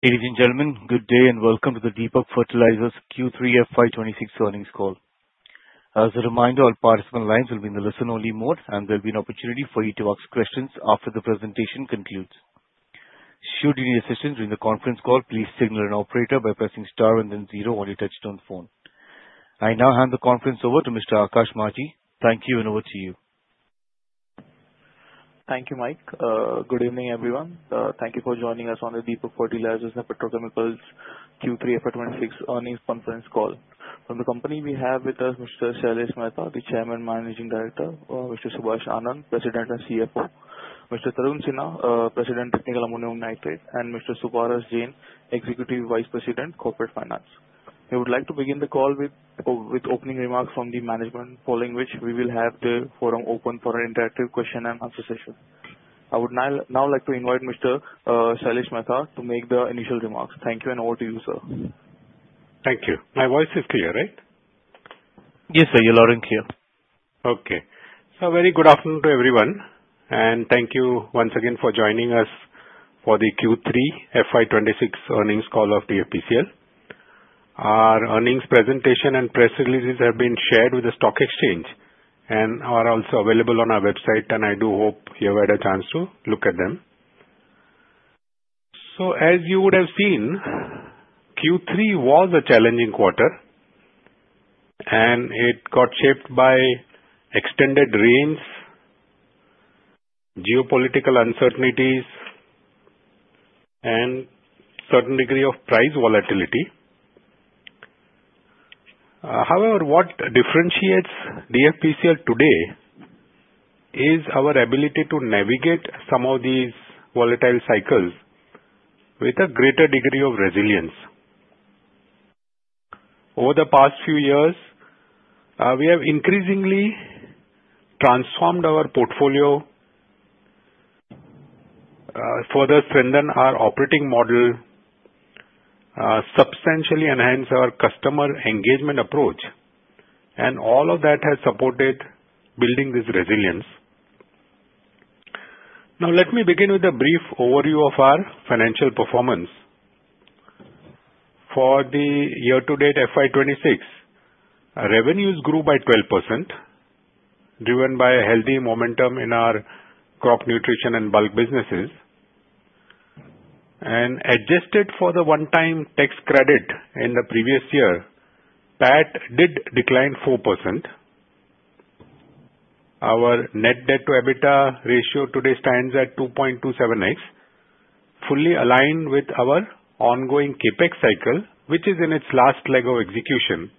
Ladies and gentlemen, good day, and welcome to the Deepak Fertilisers Q3 FY26 Earnings Call. As a reminder, all participants' lines will be in the listen-only mode, and there'll be an opportunity for you to ask questions after the presentation concludes. Should you need assistance during the conference call, please signal an operator by pressing star and then zero on your touchtone phone. I now hand the conference over to Mr. Akash Majhi. Thank you, and over to you. Thank you, Mike. Good evening, everyone. Thank you for joining us on the Deepak Fertilisers and Petrochemicals Q3 FY26 Earnings Conference Call. From the company, we have with us Mr. Sailesh Mehta, the Chairman and Managing Director, Mr. Subhash Anand, President and CFO, Mr. Tarun Sinha, President, Technical Ammonium Nitrate, and Mr. Suparas Jain, Executive Vice President, Corporate Finance. We would like to begin the call with opening remarks from the management, following which we will have the forum open for an interactive question and answer session. I would now like to invite Mr. Sailesh Mehta to make the initial remarks. Thank you, and over to you, sir. Thank you. My voice is clear, right? Yes, sir. You're loud and clear. Okay. So very good afternoon to everyone, and thank you once again for joining us for the Q3 FY26 earnings call of DFPCL. Our earnings presentation and press releases have been shared with the stock exchange and are also available on our website, and I do hope you have had a chance to look at them. So as you would have seen, Q3 was a challenging quarter, and it got shaped by extended rains, geopolitical uncertainties, and certain degree of price volatility. However, what differentiates DFPCL today is our ability to navigate some of these volatile cycles with a greater degree of resilience. Over the past few years, we have increasingly transformed our portfolio, further strengthen our operating model, substantially enhance our customer engagement approach, and all of that has supported building this resilience. Now, let me begin with a brief overview of our financial performance. For the year-to-date FY26, our revenues grew by 12%, driven by a healthy momentum in our crop nutrition and bulk businesses. And adjusted for the one-time tax credit in the previous year, PAT did decline 4%. Our net debt to EBITDA ratio today stands at 2.27x, fully aligned with our ongoing CapEx cycle, which is in its last leg of execution,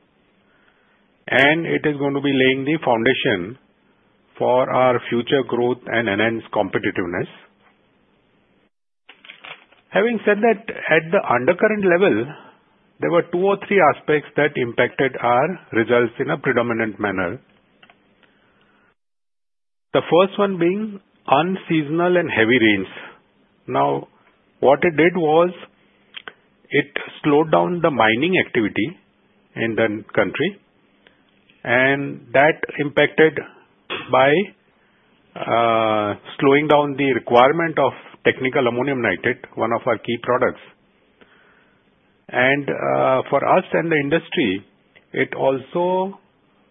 and it is going to be laying the foundation for our future growth and enhanced competitiveness. Having said that, at the undercurrent level, there were two or three aspects that impacted our results in a predominant manner. The first one being unseasonal and heavy rains. Now, what it did was it slowed down the mining activity in the country, and that impacted by slowing down the requirement of technical ammonium nitrate, one of our key products. And, for us and the industry, it also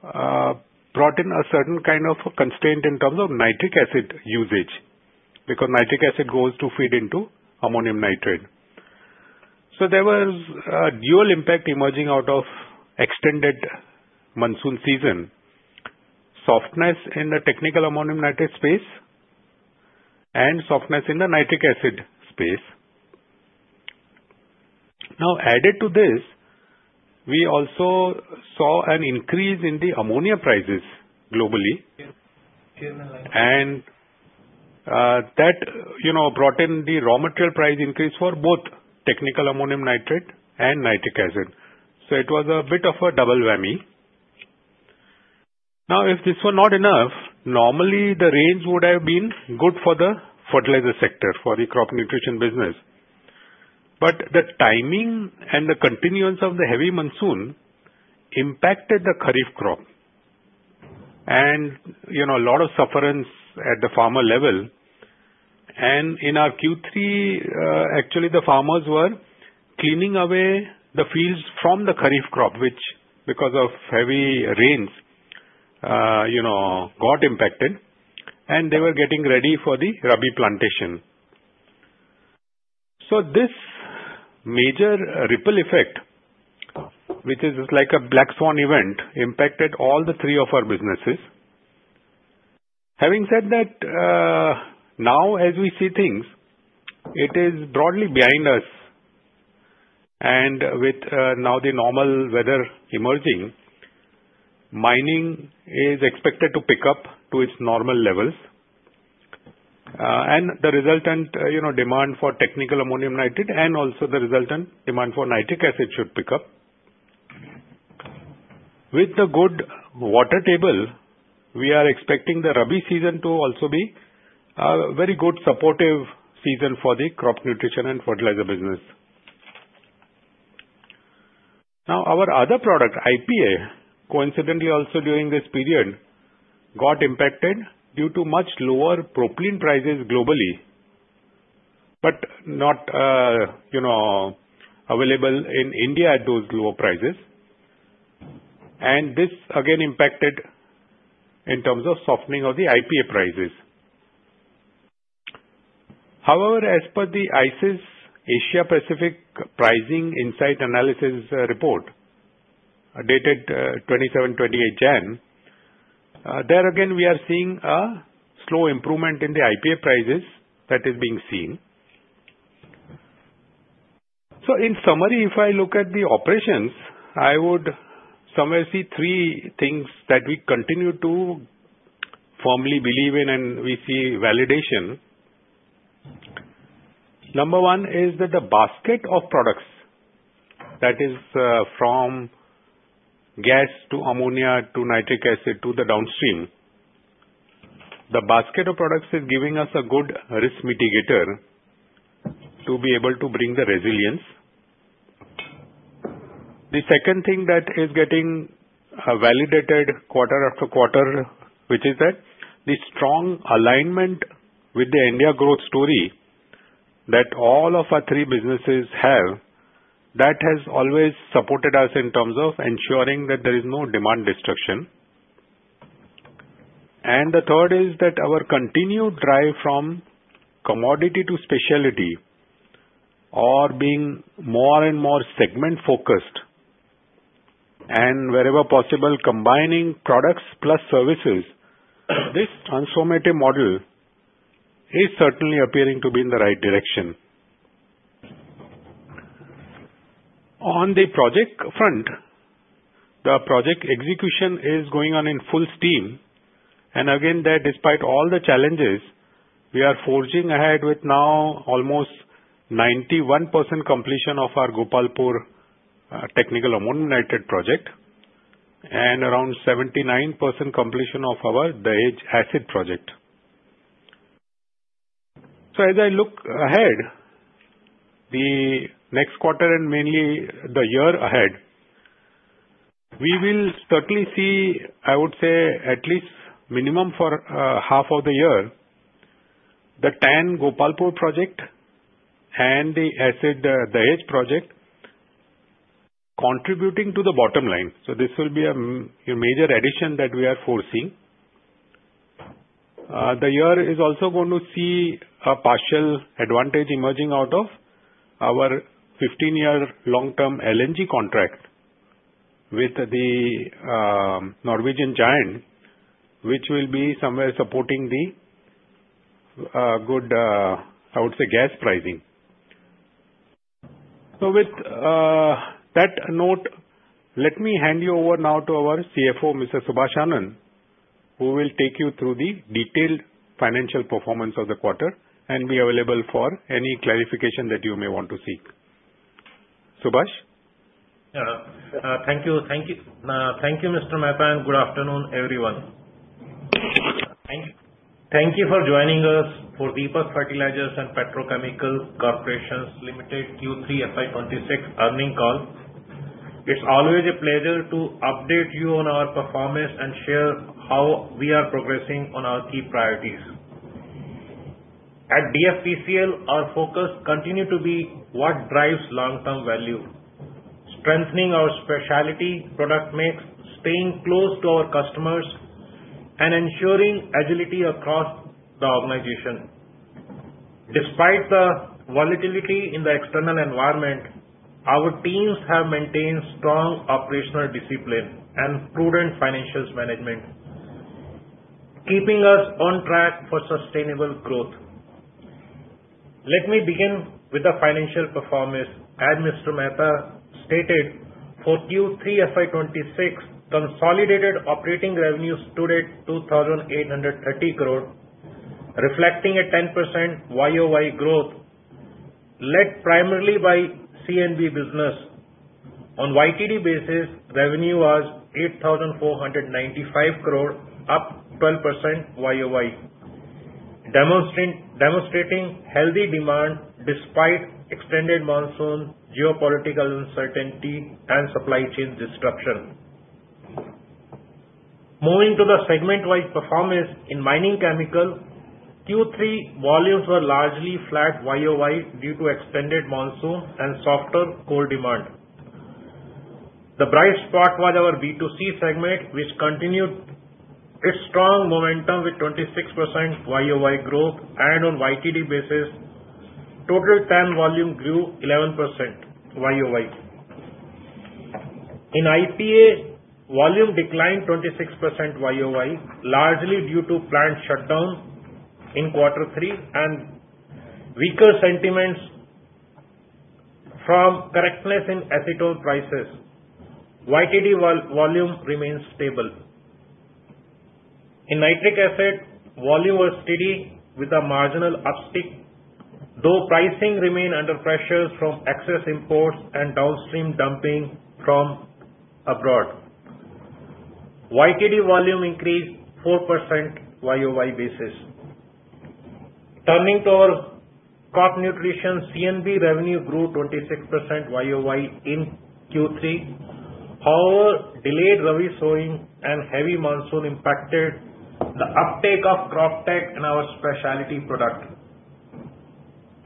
brought in a certain kind of constraint in terms of nitric acid usage, because nitric acid goes to feed into ammonium nitrate. So there was a dual impact emerging out of extended monsoon season: softness in the technical ammonium nitrate space and softness in the nitric acid space. Now, added to this, we also saw an increase in the ammonia prices globally, and, that, you know, brought in the raw material price increase for both technical ammonium nitrate and nitric acid. So it was a bit of a double whammy. Now, if this were not enough, normally the rains would have been good for the fertilizer sector, for the crop nutrition business. But the timing and the continuance of the heavy monsoon impacted the kharif crop and, you know, a lot of sufferance at the farmer level. And in our Q3, actually, the farmers were cleaning away the fields from the kharif crop, which because of heavy rains, you know, got impacted, and they were getting ready for the rabi plantation. So this major ripple effect, which is like a black swan event, impacted all the three of our businesses. Having said that, now as we see things, it is broadly behind us, and with now the normal weather emerging, mining is expected to pick up to its normal levels, and the resultant, you know, demand for technical ammonium nitrate and also the resultant demand for Nitric Acid should pick up. With the good water table, we are expecting the Rabi season to also be a very good supportive season for the crop nutrition and fertilizer business. Now, our other product, IPA, coincidentally also during this period, got impacted due to much lower Propylene prices globally, but not, you know, available in India at those lower prices. And this again impacted in terms of softening of the IPA prices. However, as per the ICIS Asia Pacific Pricing Insight Analysis Report, dated 27-28 January, there again, we are seeing a slow improvement in the IPA prices that is being seen. So in summary, if I look at the operations, I would somewhere see three things that we continue to firmly believe in and we see validation. Number one is that the basket of products, that is, from gas to ammonia to nitric acid to the downstream, the basket of products is giving us a good risk mitigator to be able to bring the resilience. The second thing that is getting validated quarter after quarter, which is that the strong alignment with the India growth story, that all of our three businesses have, that has always supported us in terms of ensuring that there is no demand destruction. The third is that our continued drive from commodity to specialty or being more and more segment-focused, and wherever possible, combining products plus services, this transformative model is certainly appearing to be in the right direction. On the project front, the project execution is going on in full steam, and again, that despite all the challenges, we are forging ahead with now almost 91% completion of our Gopalpur technical ammonium nitrate project and around 79% completion of our Dahej acid project. So as I look ahead, the next quarter and mainly the year ahead, we will certainly see, I would say, at least minimum for half of the year, the TAN Gopalpur project and the acid, the Dahej project, contributing to the bottom line. So this will be a major addition that we are foreseeing. The year is also going to see a partial advantage emerging out of our 15-year long-term LNG contract with the Norwegian giant, which will be somewhere supporting the good, I would say, gas pricing. So with that note, let me hand you over now to our CFO, Mr. Subhash Anand, who will take you through the detailed financial performance of the quarter and be available for any clarification that you may want to seek. Subhash? Thank you. Thank you. Thank you, Mr. Mehta, and good afternoon, everyone. Thank you for joining us for Deepak Fertilisers and Petrochemicals Corporation Limited Q3 FY26 earnings call. It's always a pleasure to update you on our performance and share how we are progressing on our key priorities. At DFPCL, our focus continue to be what drives long-term value: strengthening our specialty product mix, staying close to our customers, and ensuring agility across the organization. Despite the volatility in the external environment, our teams have maintained strong operational discipline and prudent financials management, keeping us on track for sustainable growth. Let me begin with the financial performance. As Mr. Mehta stated, for Q3 FY26, consolidated operating revenues stood at 2,830 crore, reflecting a 10% YOY growth, led primarily by CNB business. On YTD basis, revenue was 8,495 crore, up 12% YOY. Demonstrating healthy demand despite extended monsoon, geopolitical uncertainty and supply chain disruption. Moving to the segment-wide performance in mining chemicals, Q3 volumes were largely flat YOY due to extended monsoon and softer core demand. The bright spot was our B2C segment, which continued its strong momentum with 26% YOY growth and on YTD basis, total TAN volume grew 11% YOY. In IPA, volume declined 26% YOY, largely due to plant shutdown in quarter three and weaker sentiments from correctness in ethanol prices. YTD volume remains stable. In nitric acid, volume was steady with a marginal uptick, though pricing remained under pressure from excess imports and downstream dumping from abroad. YTD volume increased 4% YOY basis.... Turning to our crop nutrition, CNB revenue grew 26% YOY in Q3. However, delayed Rabi sowing and heavy monsoon impacted the uptake of Croptek and our specialty product.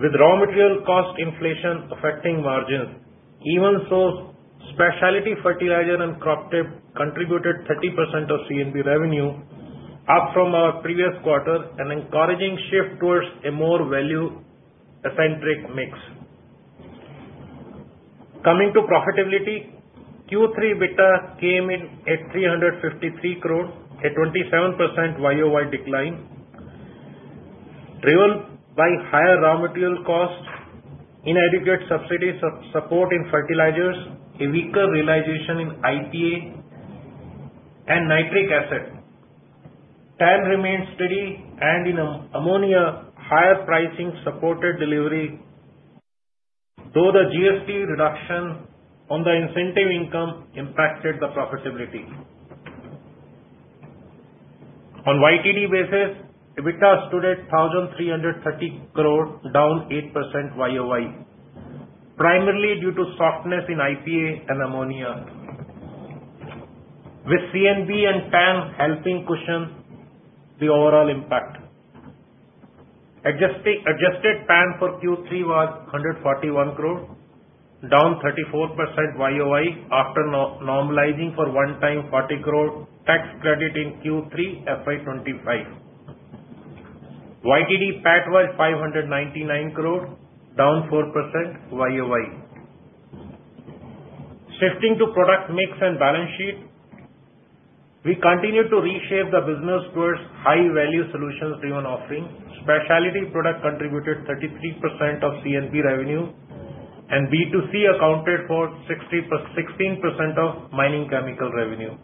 With raw material cost inflation affecting margins, even so, specialty fertilizer and Croptek contributed 30% of CNB revenue, up from our previous quarter, an encouraging shift towards a more value-centric mix. Coming to profitability, Q3 EBITDA came in at 353 crore, a 27% YOY decline, driven by higher raw material costs, inadequate subsidies of support in fertilizers, a weaker realization in IPA, and nitric acid. TAN remained steady, and in ammonia, higher pricing supported delivery, though the GST reduction on the incentive income impacted the profitability. On YTD basis, EBITDA stood at 1,330 crore, down 8% YOY, primarily due to softness in IPA and ammonia, with CNB and TAN helping cushion the overall impact. Adjusted PAT for Q3 was INR 141 crore, down 34% YOY, after normalizing for one-time INR 40 crore tax credit in Q3 FY2025. YTD PAT was 599 crore, down 4% YOY. Shifting to product mix and balance sheet, we continue to reshape the business towards high-value solutions driven offering. Specialty product contributed 33% of CNB revenue, and B2C accounted for 16% of mining chemical revenue.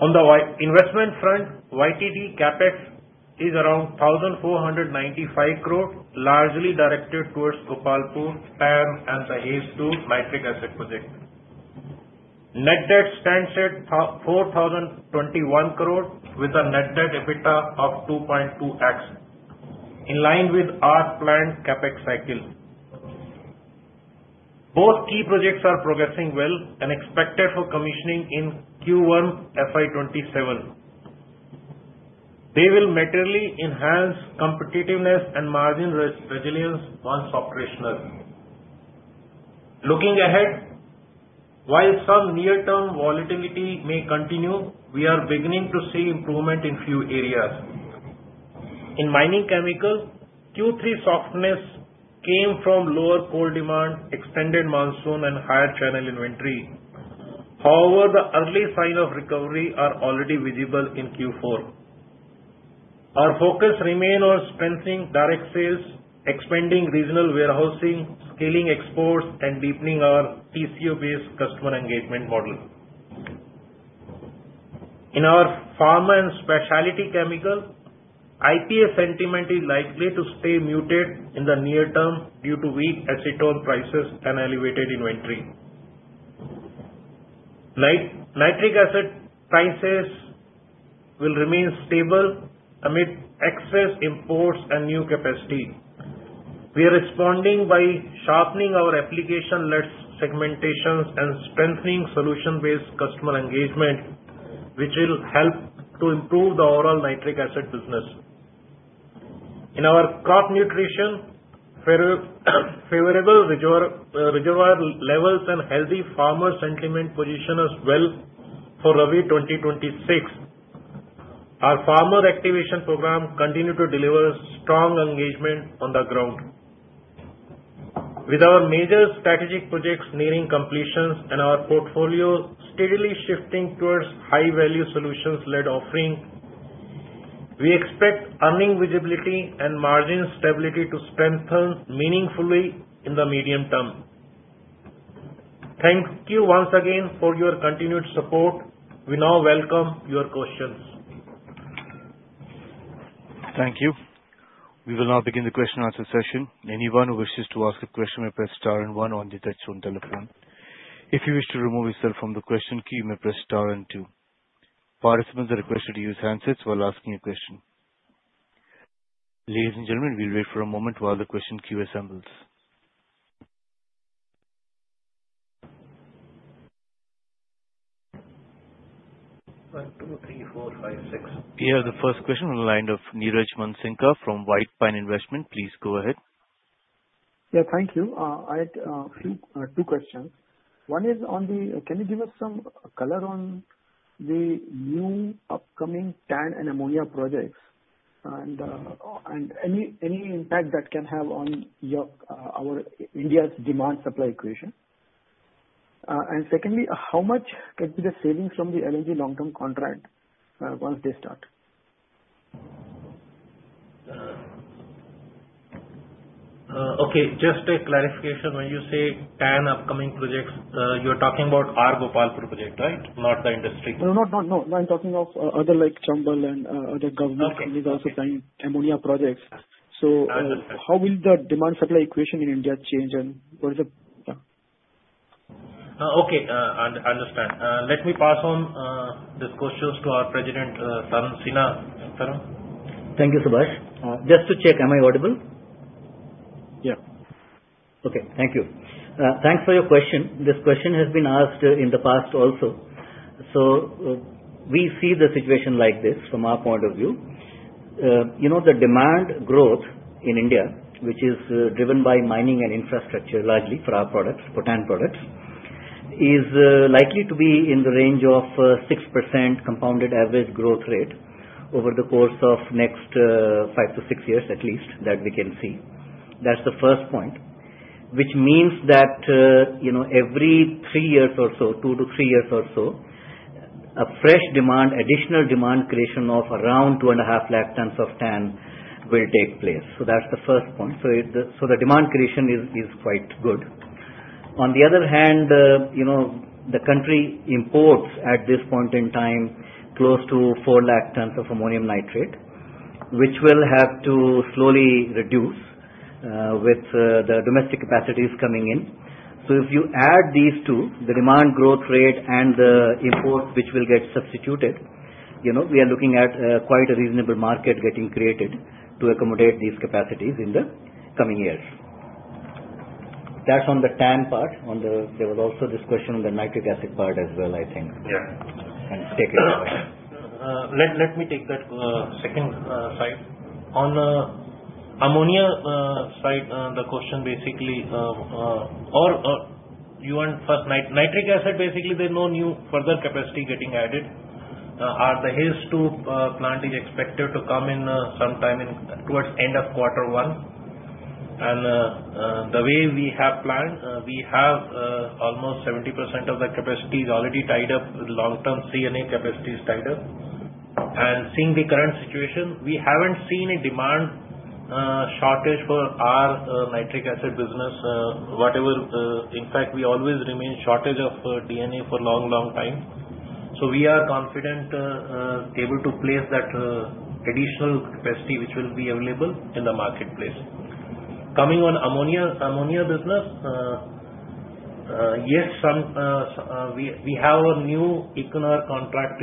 On the investment front, YTD CapEx is around 1,495 crore, largely directed towards Gopalpur, TAN, and the Phase II Nitric Acid project. Net debt stands at 4,021 crore, with a net debt EBITDA of 2.2x, in line with our planned CapEx cycle. Both key projects are progressing well and expected for commissioning in Q1 FY2027. They will materially enhance competitiveness and margin resilience once operational. Looking ahead, while some near-term volatility may continue, we are beginning to see improvement in few areas. In mining chemicals, Q3 softness came from lower coal demand, extended monsoon, and higher channel inventory. However, the early sign of recovery are already visible in Q4. Our focus remain on strengthening direct sales, expanding regional warehousing, scaling exports, and deepening our TCO-based customer engagement model. In our pharma and specialty chemical, IPA sentiment is likely to stay muted in the near term due to weak acetone prices and elevated inventory. Nitric acid prices will remain stable amid excess imports and new capacity. We are responding by sharpening our application-led segmentations and strengthening solution-based customer engagement, which will help to improve the overall nitric acid business. In our crop nutrition, favorable reservoir levels and healthy farmer sentiment position us well for Rabi 2026. Our farmer activation program continue to deliver strong engagement on the ground. With our major strategic projects nearing completions and our portfolio steadily shifting towards high-value solutions-led offering, we expect earning visibility and margin stability to strengthen meaningfully in the medium term. Thank you once again for your continued support. We now welcome your questions. Thank you. We will now begin the question and answer session. Anyone who wishes to ask a question may press star and one on the touchtone telephone. If you wish to remove yourself from the question queue, you may press star and two. Participants are requested to use handsets while asking a question. Ladies and gentlemen, we'll wait for a moment while the question queue assembles. 1, 2, 3, 4, 5, 6. We have the first question on the line of Niraj Mansingka from White Pine Investment. Please go ahead. Yeah, thank you. I had three two questions. One is on the... Can you give us some color on the new upcoming TAN and ammonia projects and, and any, any impact that can have on your, our India's demand supply equation? And secondly, how much could be the savings from the LNG long-term contract, once they start? Okay, just a clarification. When you say TAN upcoming projects, you're talking about our Gopalpur project, right? Not the industry. No, not, not, no. I'm talking of other, like, Chambal and other government- Okay. - who is also planning ammonia projects. Uh. So, how will the demand supply equation in India change, and what is the?... Okay, understand. Let me pass on these questions to our President, Tarun Sinha. Tarun? Thank you, Subhash. Just to check, am I audible? Yeah. Okay. Thank you. Thanks for your question. This question has been asked in the past also. So we see the situation like this from our point of view. You know, the demand growth in India, which is driven by mining and infrastructure, largely for our products, for TAN products, is likely to be in the range of 6% compounded average growth rate over the course of next 5-6 years at least, that we can see. That's the first point, which means that you know, every three years or so, two to three years or so, a fresh demand, additional demand creation of around 250,000 tons of TAN will take place. So that's the first point. So it, so the demand creation is quite good. On the other hand, you know, the country imports, at this point in time, close to 400,000 tons of ammonium nitrate, which will have to slowly reduce, with the domestic capacities coming in. So if you add these two, the demand growth rate and the import, which will get substituted, you know, we are looking at quite a reasonable market getting created to accommodate these capacities in the coming years. That's on the TAN part. On the... There was also this question on the nitric acid part as well, I think. Yeah. And take it over. Let me take that second side. On the ammonia side, the question basically, or you want first nitric acid, basically, there's no new further capacity getting added. The Dahej 2 plant is expected to come in sometime towards the end of Q1. And the way we have planned, we have almost 70% of the capacity already tied up, long-term CNA capacity is tied up. And seeing the current situation, we haven't seen a demand shortage for our nitric acid business. Whatever. In fact, we always remain in shortage of DNA for a long time, so we are confident to place that additional capacity which will be available in the marketplace. Coming on ammonia, ammonia business, yes, we have a new Equinor contract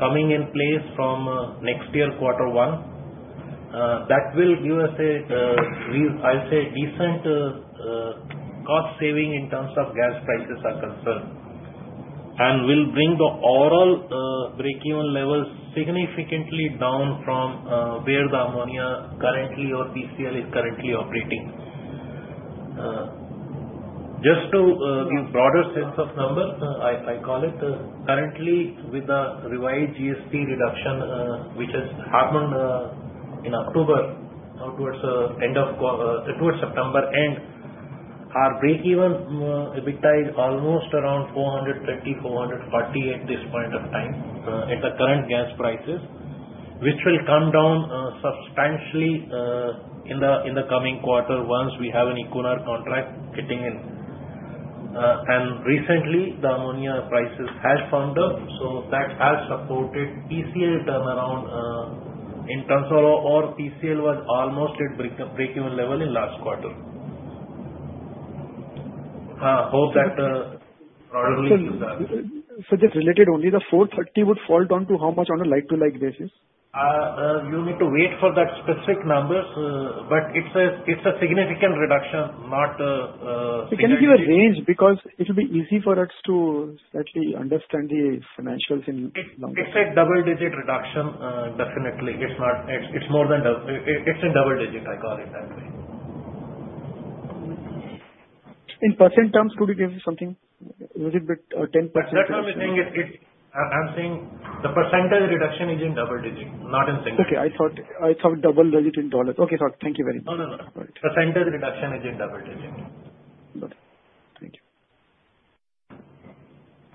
coming in place from next year, Q1. That will give us, I'll say, a decent cost saving in terms of gas prices are concerned. And will bring the overall break-even level significantly down from where the ammonia currently or PCL is currently operating. Just to give broader sense of numbers, I call it, currently with the revised GST reduction, which has happened in October, towards September end, our break-even EBITDA is almost around 430-440 at this point of time, at the current gas prices. Which will come down substantially in the coming quarter, once we have an Equinor contract kicking in. And recently, the ammonia prices has firm up, so that has supported PCL turnaround in terms of our PCL was almost at break-even level in last quarter. Both that probably- So, just related only, the 430 would fall down to how much on a like-to-like basis? You need to wait for that specific numbers, but it's a significant reduction, not- Can you give a range? Because it will be easy for us to slightly understand the financials in numbers. It, it's a double-digit reduction, definitely. It's not, it's more than double. It, it's in double digits, I call it that way. In percent terms, could you give me something, little bit, 10%? That's what I'm saying, I'm saying the percentage reduction is in double digit, not in single digit. Okay, I thought, I thought double digit in dollars. Okay, sorry. Thank you very much. No, no, no. All right. Percentage reduction is in double-digit. Got it. Thank you.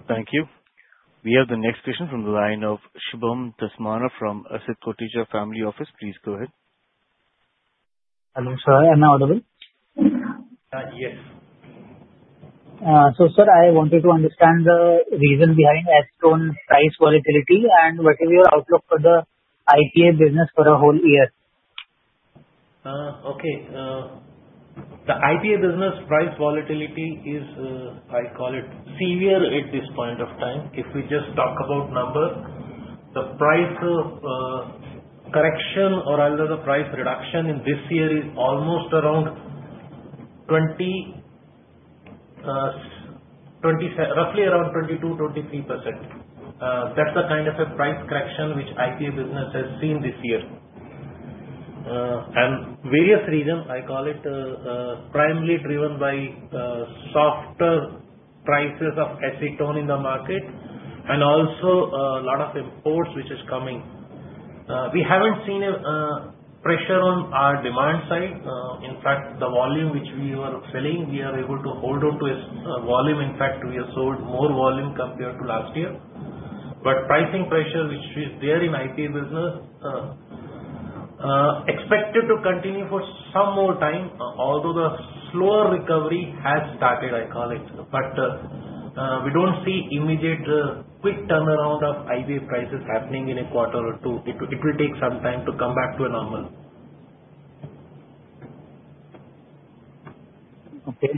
Thank you. We have the next question from the line of Shubham Dasmana from Asit C. Mehta Family Office. Please go ahead. Hello, sir. Am I audible? Uh, yes. So, sir, I wanted to understand the reason behind acetone price volatility and what is your outlook for the IPA business for the whole year? Okay. The IPA business price volatility is, I call it, severe at this point of time. If we just talk about numbers, the price correction or rather the price reduction in this year is almost around 20, roughly around 22-23%. That's the kind of a price correction which IPA business has seen this year. And various reasons, I call it, primarily driven by, softer prices of acetone in the market, and also, lot of imports which is coming. We haven't seen a pressure on our demand side. In fact, the volume which we were selling, we are able to hold on to a volume. In fact, we have sold more volume compared to last year. But pricing pressure, which is there in IPA business, expected to continue for some more time, although the slower recovery has started, I call it. But, we don't see immediate, quick turnaround of IPA prices happening in a quarter or two. It will, it will take some time to come back to a normal.... Okay.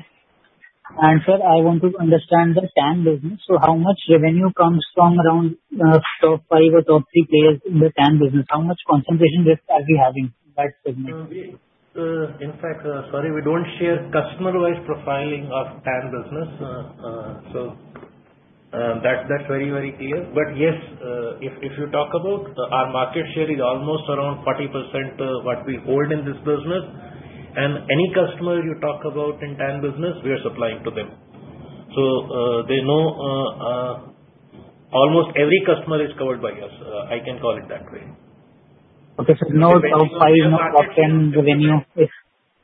And sir, I want to understand the TAN business. So how much revenue comes from around, top five or top three players in the TAN business? How much concentration risk are we having in that segment? We, in fact, sorry, we don't share customer-wise profiling of TAN business. So, that, that's very, very clear. But yes, if, if you talk about, our market share is almost around 40%, what we hold in this business. And any customer you talk about in TAN business, we are supplying to them. So, there's no, almost every customer is covered by us. I can call it that way. Okay, so now top five, not ten revenue, if-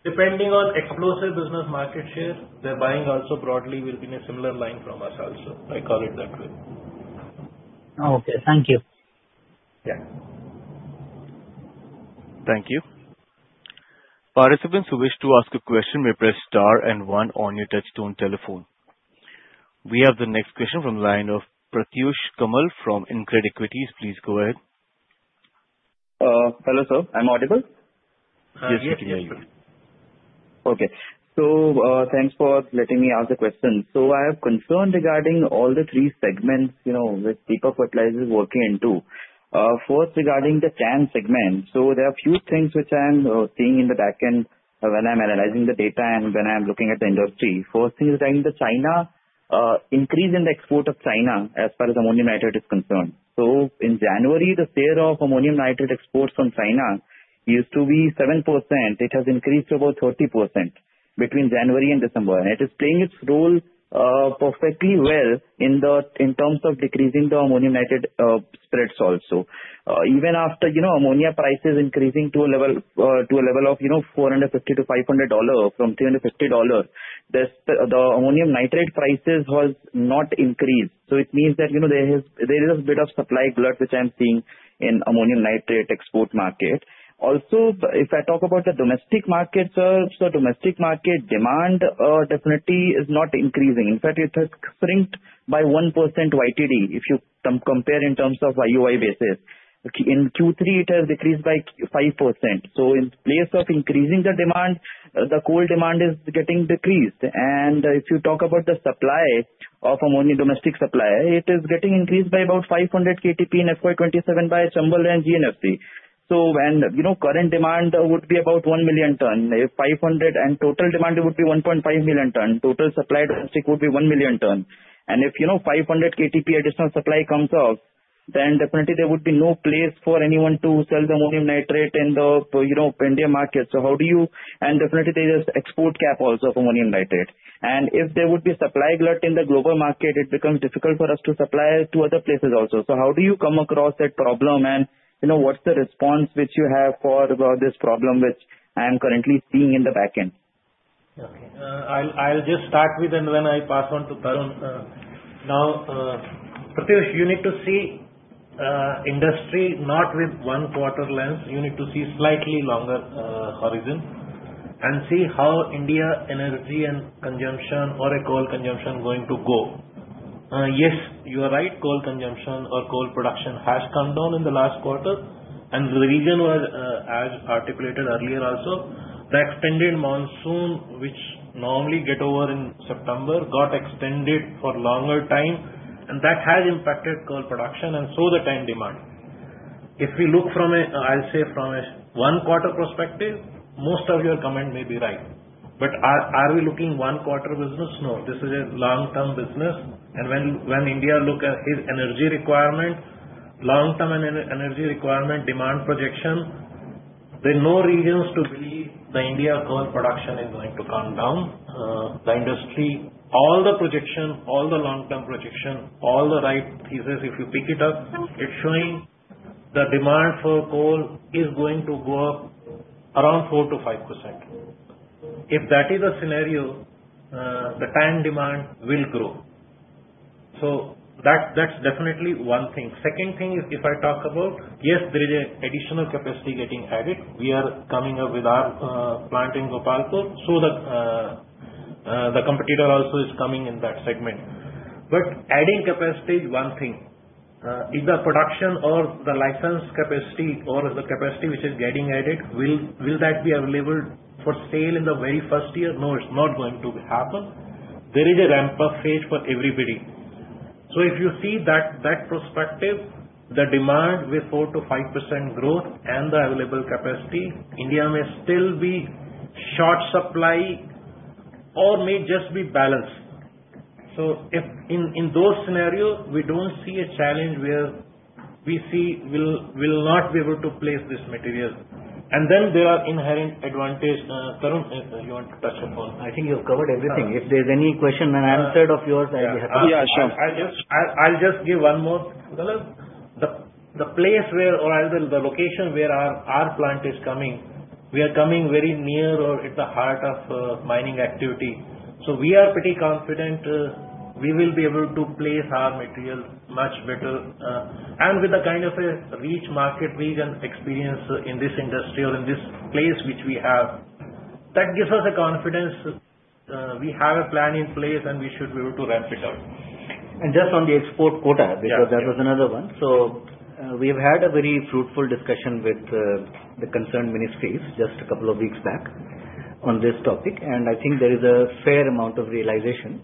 Depending on explosive business market share, they're buying also broadly will be in a similar line from us also. I call it that way. Oh, okay. Thank you. Yeah. Thank you. Participants who wish to ask a question may press star and one on your touchtone telephone. We have the next question from the line of Pratyush Kamal from InCred Equities. Please go ahead. Hello, sir. I'm audible? Yes, yes, you are. Okay. So, thanks for letting me ask the question. So I have concern regarding all the three segments, you know, which Deepak Fertilisers is working into. First, regarding the TAN segment. So there are few things which I'm seeing in the back end when I'm analyzing the data and when I'm looking at the industry. First thing is regarding the China increase in the export of China as far as ammonium nitrate is concerned. So in January, the share of ammonium nitrate exports from China used to be 7%. It has increased to about 30% between January and December. And it is playing its role perfectly well in the, in terms of decreasing the ammonium nitrate spreads also. Even after, you know, ammonia prices increasing to a level, to a level of, you know, $450-$500 from $350, the ammonium nitrate prices has not increased. So it means that, you know, there is, there is a bit of supply glut, which I'm seeing in ammonium nitrate export market. Also, if I talk about the domestic market, sir, so domestic market demand, definitely is not increasing. In fact, it has shrunk by 1% YTD, if you compare in terms of YOY basis. In Q3, it has decreased by 5%. So in place of increasing the demand, the coal demand is getting decreased. And if you talk about the supply of ammonium domestic supply, it is getting increased by about 500 KTPA in FY 2027 by Chambal and GNFC. So when, you know, current demand would be about 1 million tonne, if 500... And total demand would be 1.5 million tonne, total supply domestic would be 1 million tonne. And if, you know, 500 KTPA additional supply comes out, then definitely there would be no place for anyone to sell the ammonium nitrate in the, you know, India market. So how do you-- And definitely, there is export cap also for ammonium nitrate. And if there would be supply glut in the global market, it becomes difficult for us to supply to other places also. So how do you come across that problem? And, you know, what's the response which you have for about this problem, which I am currently seeing in the back end? Okay. I'll just start with and then I pass on to Tarun. Now, Pratyush, you need to see industry not with one quarter lens. You need to see slightly longer horizon and see how India energy and consumption or a coal consumption going to go. Yes, you are right, coal consumption or coal production has come down in the last quarter, and the reason was as articulated earlier also, the extended monsoon, which normally get over in September, got extended for longer time, and that has impacted coal production and so the TAN demand. If we look from a, I'll say, from a one quarter perspective, most of your comment may be right. But are we looking one quarter business? No, this is a long-term business. When India looks at its energy requirement, long-term energy requirement demand projection, there are no reasons to believe India's coal production is going to come down. The industry, all the projection, all the long-term projection, all the right pieces, if you pick it up, it's showing the demand for coal is going to go up around 4%-5%. If that is the scenario, the TAN demand will grow. So that's definitely one thing. Second thing is, if I talk about, yes, there is an additional capacity getting added. We are coming up with our plant in Gopalpur. So the competitor also is coming in that segment. But adding capacity is one thing. If the production or the license capacity or the capacity which is getting added, will that be available for sale in the very first year? No, it's not going to happen. There is a ramp-up phase for everybody. So if you see that perspective, the demand with 4%-5% growth and the available capacity, India may still be short supply or may just be balanced. So if in those scenarios, we don't see a challenge where we see we'll not be able to place this material. And then there are inherent advantage. Tarun, you want to touch upon? I think you have covered everything. If there's any question I answered of yours, I'll be happy to. Yeah, sure. I'll just give one more. The place where or as well, the location where our plant is coming, we are coming very near or at the heart of mining activity. So we are pretty confident we will be able to place our material much better, and with a kind of a rich market region experience in this industry or in this place, which we have. That gives us the confidence we have a plan in place, and we should be able to ramp it up.... just on the export quota- Yeah. Because that was another one. So, we've had a very fruitful discussion with the concerned ministries just a couple of weeks back on this topic, and I think there is a fair amount of realization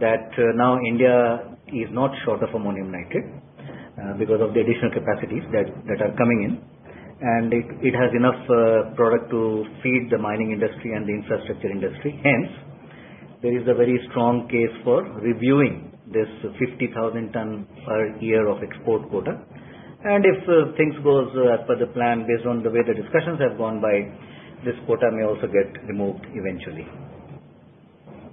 that now India is not short of ammonium nitrate because of the additional capacities that are coming in. And it has enough product to feed the mining industry and the infrastructure industry. Hence, there is a very strong case for reviewing this 50,000 tons per year of export quota. And if things goes as per the plan, based on the way the discussions have gone by, this quota may also get removed eventually.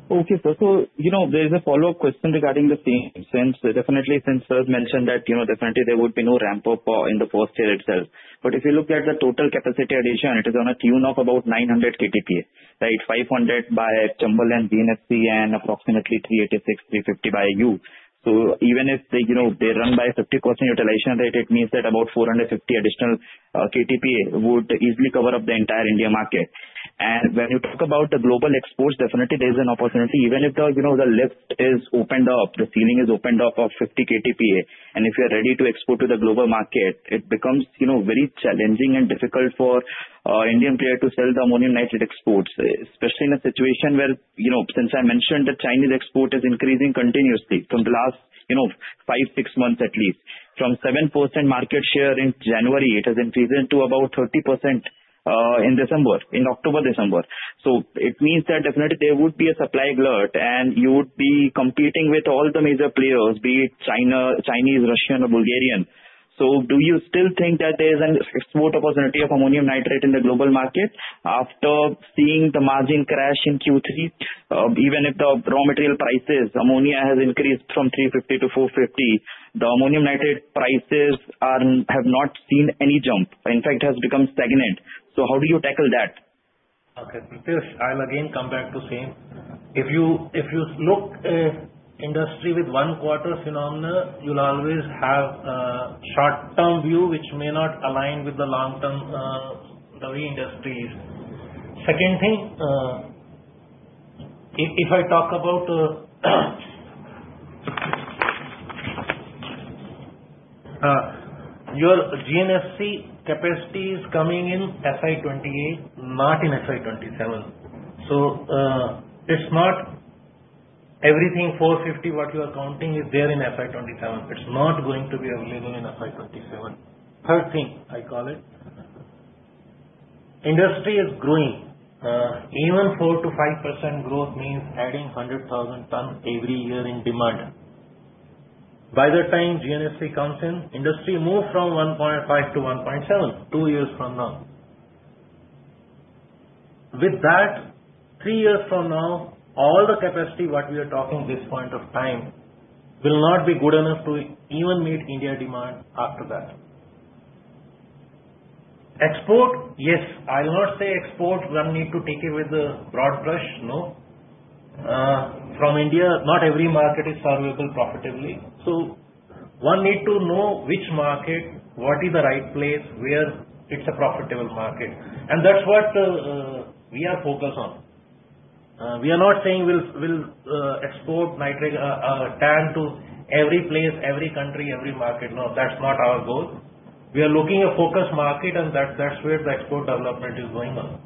Okay, sir. So, you know, there is a follow-up question regarding the same. Since, definitely since sir's mentioned that, you know, definitely there would be no ramp-up in the first year itself. But if you look at the total capacity addition, it is on a tune of about 900 KTPA, right? 500 by Chambal GNFC, and approximately 386, 350 by you. So even if they, you know, they run by 50% utilization rate, it means that about 450 additional KTPA would easily cover up the entire India market. And when you talk about the global exports, definitely there's an opportunity. Even if the, you know, the lift is opened up, the ceiling is opened up of 50 KTPA, and if you're ready to export to the global market, it becomes, you know, very challenging and difficult for Indian player to sell the ammonium nitrate exports. Especially in a situation where, you know, since I mentioned the Chinese export is increasing continuously from the last, you know, five, six months at least. From 7% market share in January, it has increased to about 30%, in December, in October, December. So it means that definitely there would be a supply glut, and you would be competing with all the major players, be it China, Chinese, Russian, or Bulgarian. So do you still think that there's an export opportunity of ammonium nitrate in the global market after seeing the margin crash in Q3? Even if the raw material prices, ammonia has increased from $350 to $450, the ammonium nitrate prices have not seen any jump. In fact, it has become stagnant. So how do you tackle that? Okay, Pritesh, I'll again come back to same. If you look at the industry with one quarter phenomenon, you'll always have a short-term view, which may not align with the long-term industries. Second thing, if I talk about your GNFC capacity is coming in FY28, not in FY27. So, it's not everything 450, what you are counting is there in FY27. It's not going to be available in FY27. Third thing I call it, industry is growing. Even 4%-5% growth means adding 100,000 tons every year in demand. By the time GNFC comes in, industry move from 1.5 to 1.7, two years from now. With that, three years from now, all the capacity, what we are talking this point of time, will not be good enough to even meet India demand after that. Export, yes. I'll not say export, one need to take it with a broad brush, no. From India, not every market is servable profitably. So one need to know which market, what is the right place, where it's a profitable market. And that's what we are focused on. We are not saying we'll export nitrate, TAN to every place, every country, every market. No, that's not our goal. We are looking a focused market, and that's where the export development is going on.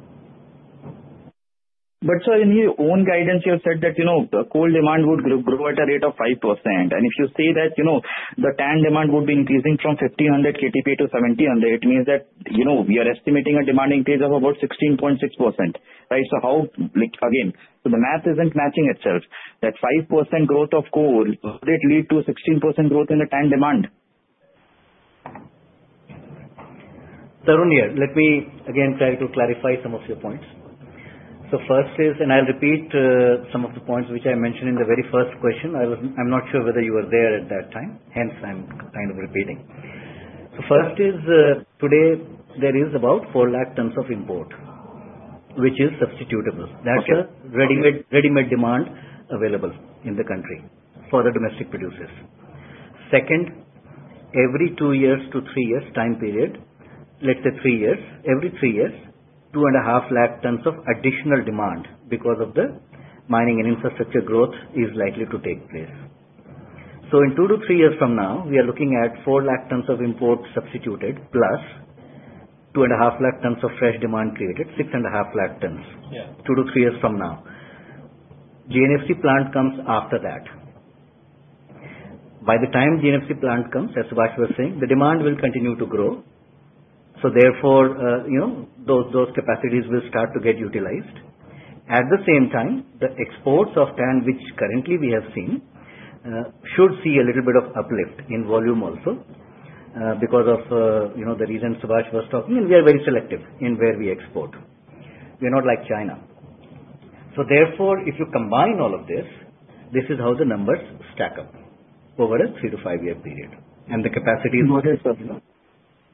But sir, in your own guidance, you have said that, you know, the coal demand would grow at a rate of 5%. And if you say that, you know, the TAN demand would be increasing from 1,500 KTPA to 1,700, it means that, you know, we are estimating a demanding pace of about 16.6%. Right? So how... Like, again, so the math isn't matching itself. That 5% growth of coal, would it lead to a 16% growth in the TAN demand? Tarun here. Let me again try to clarify some of your points. So first is, and I'll repeat, some of the points which I mentioned in the very first question. I was, I'm not sure whether you were there at that time, hence I'm kind of repeating. So first is, today there is about 400,000 tons of import, which is substitutable. Okay. That's a ready-made, ready-made demand available in the country for the domestic producers. Second, every two years to three years time period, let's say three years, every three years, 2.5 lakh tons of additional demand because of the mining and infrastructure growth is likely to take place. So in two to three years from now, we are looking at 4 lakh tons of import substituted, plus 2.5 lakh tons of fresh demand created, 6.5 lakh tons. Yeah. two to three years from now. GNFC plant comes after that. By the time GNFC plant comes, as Subhash was saying, the demand will continue to grow. So therefore, you know, those capacities will start to get utilized. At the same time, the exports of TAN, which currently we have seen, should see a little bit of uplift in volume also, because of, you know, the reasons Subhash was talking, and we are very selective in where we export. We are not like China. So therefore, if you combine all of this, this is how the numbers stack up over a three to five-year period. And the capacity- Got it, sir. Yeah.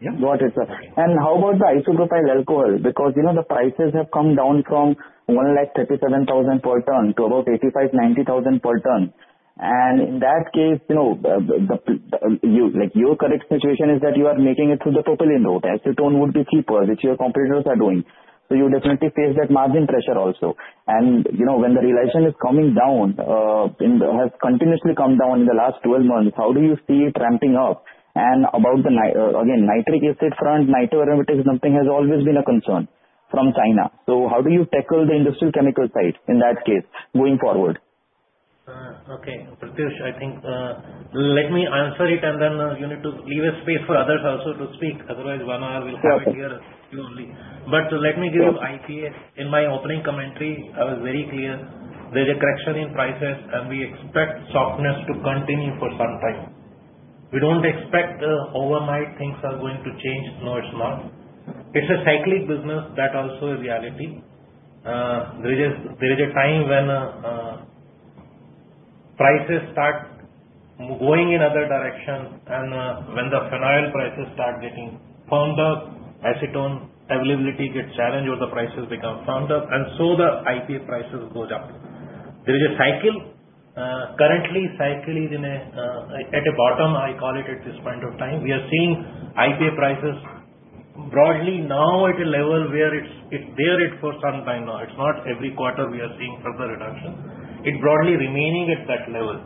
Got it, sir. And how about the isopropyl alcohol? Because, you know, the prices have come down from 1,37,000 per ton to about 85,000-90,000 per ton. And in that case, you know, the you like your current situation is that you are making it through the propylene window. Acetone would be cheaper, which your competitors are doing, so you definitely face that margin pressure also. And you know, when the realization is coming down and has continuously come down in the last 12 months, how do you see it ramping up? And about the nitric acid front, nitro aromatics, something has always been a concern from China. So how do you tackle the industrial chemical side in that case, going forward? Okay. Pratyush, I think, let me answer it, and then, you need to leave a space for others also to speak. Otherwise, one hour we'll have it here only. Sure. But let me give you IPA. In my opening commentary, I was very clear, there's a correction in prices, and we expect softness to continue for some time. We don't expect overnight things are going to change. No, it's not. It's a cyclic business. That also is reality. There is a time when prices start going in other direction, and when the phenol prices start getting firmed up, acetone availability gets challenged or the prices become firmed up, and so the IPA prices goes up. There is a cycle. Currently, cycle is in a at a bottom, I call it, at this point of time. We are seeing IPA prices broadly now at a level where it's there for some time now. It's not every quarter we are seeing further reduction. It broadly remaining at that level.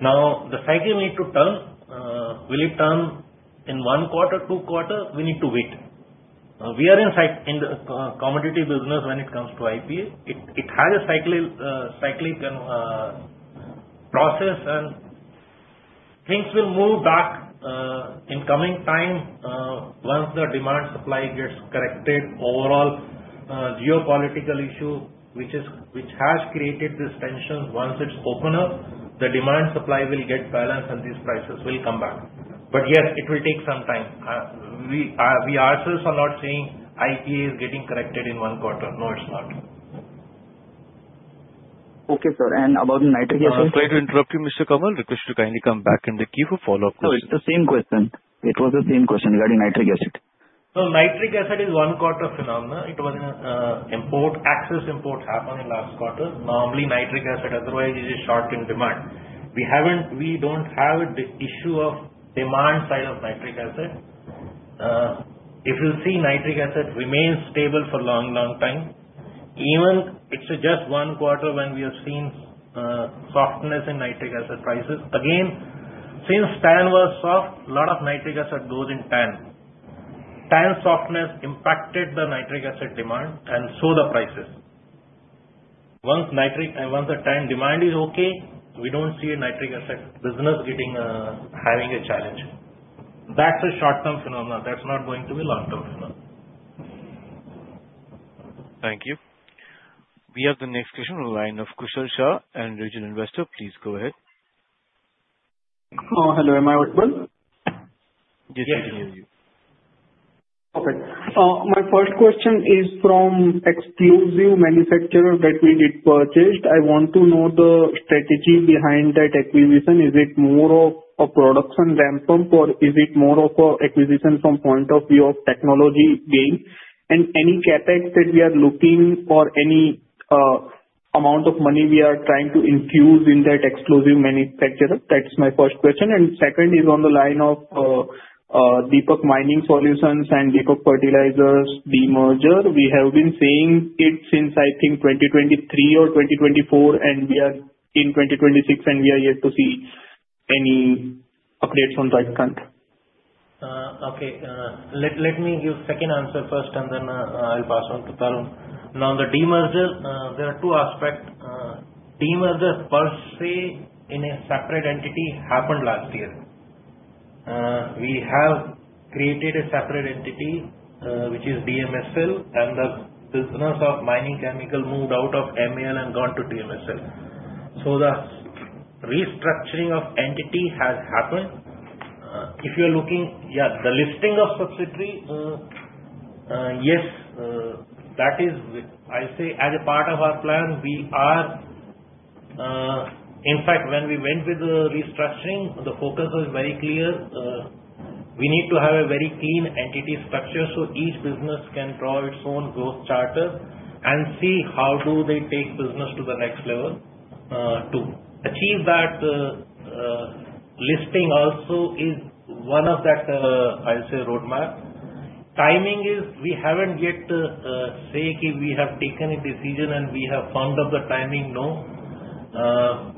Now, the cycle need to turn. Will it turn in one quarter, two quarter? We need to wait. We are in the commodity business when it comes to IPA. It, it has a cyclic, cyclic process, and things will move back in coming time once the demand supply gets corrected. Overall, geopolitical issue, which has created this tension, once it's opened up, the demand supply will get balanced and these prices will come back. But yes, it will take some time. We, we ourselves are not saying IPA is getting corrected in one quarter. No, it's not. Okay, sir, and about the nitric acid? Sorry to interrupt you, Mr. Kamal. Request you to kindly come back in the queue for follow-up question. No, it's the same question. It was the same question regarding nitric acid. Nitric acid is one quarter phenomenon. It was an import. Excess import happened in last quarter. Normally, nitric acid otherwise it is short in demand. We haven't, we don't have the issue of demand side of nitric acid. If you see, nitric acid remains stable for long, long time. Even it's just one quarter when we have seen softness in nitric acid prices. Again, since TAN was soft, lot of nitric acid goes in TAN. TAN softness impacted the nitric acid demand and so the prices. Once the TAN demand is okay, we don't see a nitric acid business getting having a challenge. That's a short-term phenomenon. That's not going to be long-term phenomenon. Thank you. We have the next question on the line of Kushal Shah, an individual investor. Please go ahead. Hello, am I audible? Yes, we can hear you. Okay. My first question is from explosives manufacturer that we purchased. I want to know the strategy behind that acquisition. Is it more of a production ramp up, or is it more of a acquisition from point of view of technology gain? And any CapEx that we are looking or any, amount of money we are trying to infuse in that explosives manufacturer? That's my first question. And second is on the line of, Deepak Mining Services and Deepak Fertilisers, Demerger. We have been seeing it since I think 2023 or 2024, and we are in 2026, and we are yet to see any updates on that front. Okay. Let me give second answer first, and then I'll pass on to Tarun. Now, on the demerger, there are two aspects. Demerger per se, in a separate entity, happened last year. We have created a separate entity, which is DMSL, and the business of mining chemical moved out of MAL and gone to DMSL. So the restructuring of entity has happened. If you're looking... Yeah, the listing of subsidiary, yes, that is with, I say, as a part of our plan, we are... In fact, when we went with the restructuring, the focus was very clear, we need to have a very clean entity structure, so each business can draw its own growth charter and see how do they take business to the next level. To achieve that, listing also is one of that, I'll say, roadmap. Timing is, we haven't yet, say we have taken a decision and we have firmed up the timing, no.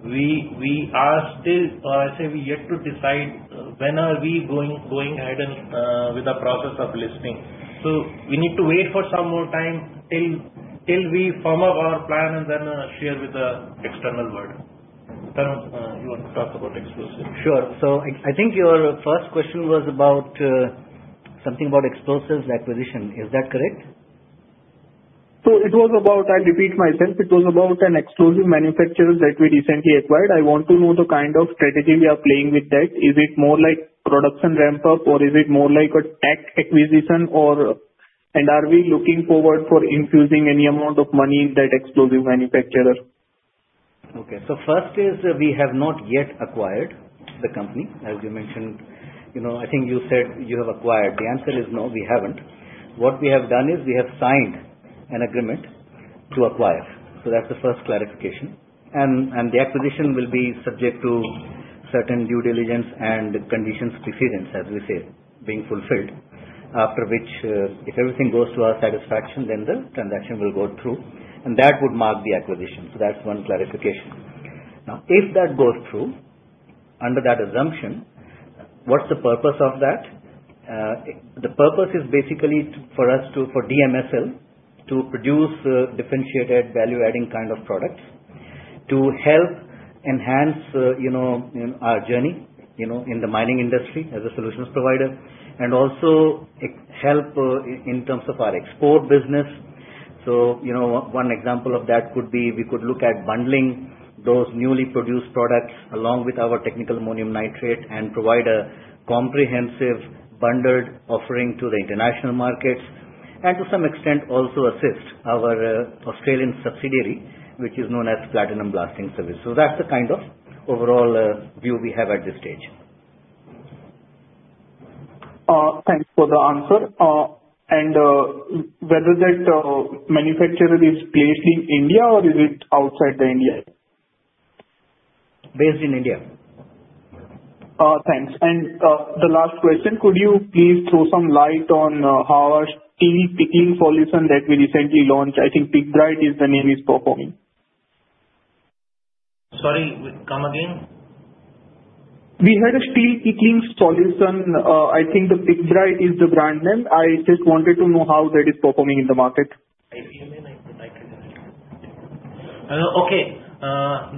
We are still, or I say, we yet to decide, when are we going ahead and with the process of listing. So we need to wait for some more time till we firm up our plan and then share with the external world. Tarun, you want to talk about exclusive? Sure. So I think your first question was about something about explosives acquisition. Is that correct? It was about, I repeat myself, it was about an exclusive manufacturer that we recently acquired. I want to know the kind of strategy we are playing with that. Is it more like production ramp-up, or is it more like a tech acquisition, or... And are we looking forward for infusing any amount of money in that exclusive manufacturer? Okay. So first is, we have not yet acquired the company. As you mentioned, you know, I think you said you have acquired. The answer is no, we haven't. What we have done is, we have signed an agreement to acquire. So that's the first clarification. And the acquisition will be subject to certain due diligence and conditions precedent, as we say, being fulfilled, after which, if everything goes to our satisfaction, then the transaction will go through, and that would mark the acquisition. So that's one clarification. Now, if that goes through, under that assumption, what's the purpose of that? The purpose is basically for us to, for DMSL, to produce differentiated value-adding kind of products to help enhance, you know, in our journey, you know, in the mining industry as a solutions provider, and also help in terms of our export business. So, you know, one example of that could be, we could look at bundling those newly produced products along with our technical ammonium nitrate, and provide a comprehensive, bundled offering to the international markets, and to some extent, also assist our Australian subsidiary, which is known as Platinum Blasting Services. So that's the kind of overall view we have at this stage. Thanks for the answer. And whether that manufacturer is based in India or is it outside the India? Based in India. Thanks. And, the last question: Could you please throw some light on our steel pickling solution that we recently launched? I think PickRight is the name is performing. Sorry, welcome again. We had a steel pickling solution, I think the Pickright is the brand name. I just wanted to know how that is performing in the market. Okay.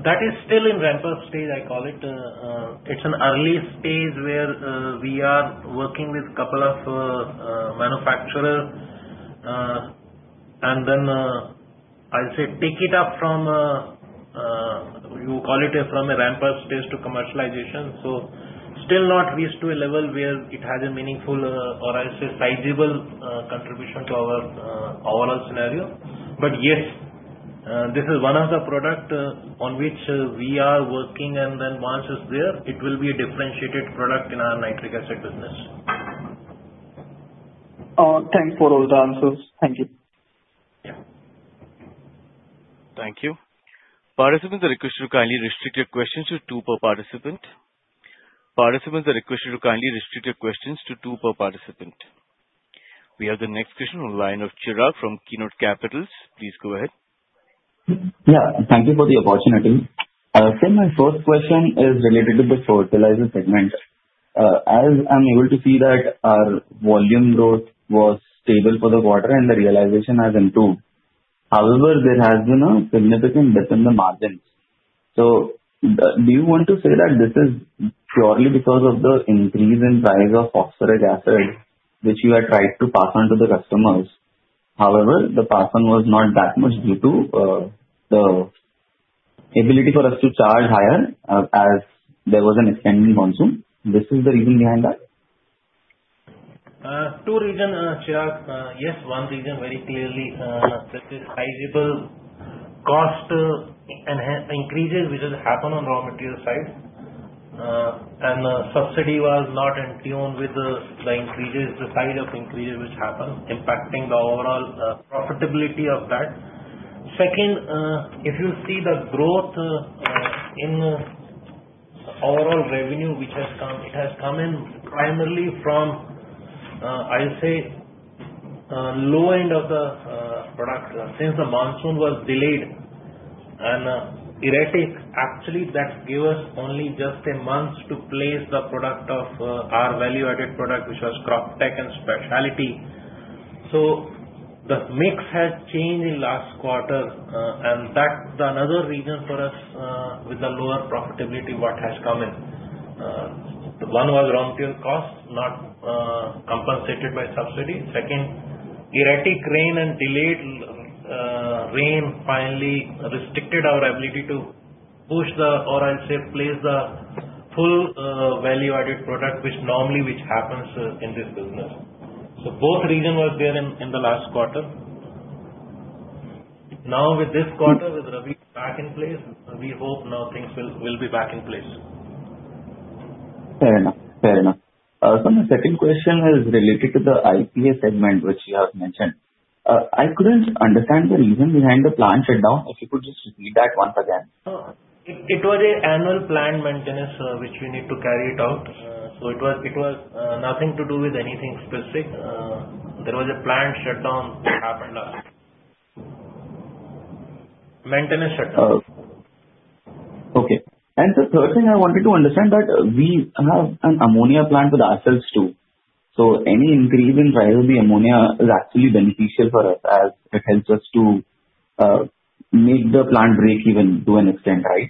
That is still in ramp-up stage, I call it. It's an early stage where we are working with couple of manufacturer. And then I'll say pick it up from you call it a from a ramp-up stage to commercialization. So still not reached to a level where it has a meaningful, or I'll say sizable, contribution to our overall scenario. But yes, this is one of the product on which we are working, and then once it's there, it will be a differentiated product in our nitric acid business. Thanks for all the answers. Thank you. Yeah. Thank you. Participants are requested to kindly restrict your questions to two per participant. Participants are requested to kindly restrict your questions to two per participant. We have the next question on the line of Chirag from Keynote Capitals. Please go ahead. Yeah, thank you for the opportunity. So my first question is related to the fertilizer segment. As I'm able to see that our volume growth was stable for the quarter and the realization has improved. However, there has been a significant dip in the margins. So do you want to say that this is purely because of the increase in price of phosphoric acid, which you had tried to pass on to the customers? However, the pass on was not that much due to the ability for us to charge higher, as there was an extended monsoon. This is the reason behind that? Two reasons, Chirag. Yes, one reason very clearly, that is sizable cost increases, which has happened on raw material side. And the subsidy was not in tune with the increases, the size of increases which happened, impacting the overall profitability of that. Second, if you see the growth in overall revenue which has come, it has come in primarily from, I'll say, low end of the product. Since the monsoon was delayed and erratic, actually that gave us only just a month to place the product of our value-added product, which was Croptek and specialty. So the mix has changed in last quarter, and that's another reason for us, with the lower profitability, what has come in. One was raw material costs, not compensated by subsidy. Second, erratic rain and delayed rain finally restricted our ability to push the, or I'll say, place the full value-added product, which normally which happens in this business. So both reason was there in the last quarter. Now with this quarter, with Rabi back in place, we hope now things will be back in place. Fair enough. Fair enough. So my second question is related to the IPA segment, which you have mentioned. I couldn't understand the reason behind the plant shutdown. If you could just read that once again. It was an annual planned maintenance, which we need to carry it out. So it was nothing to do with anything specific. There was a planned shutdown that happened last. Maintenance shutdown. Okay. And the third thing I wanted to understand that we have an ammonia plant with ourselves, too. So any increase in price of the ammonia is actually beneficial for us, as it helps us to make the plant break even to an extent, right?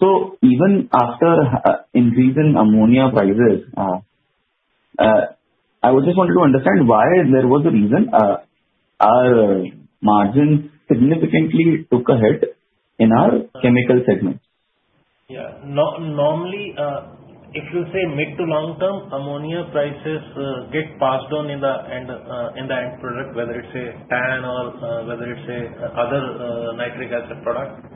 So even after increase in ammonia prices, I would just wanted to understand why there was a reason our margin significantly took a hit in our chemical segment? Yeah. Normally, if you say mid to long term, ammonia prices get passed on in the end, in the end product, whether it's a TAN or whether it's another nitric acid product.